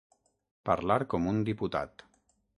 Parlar com un diputat.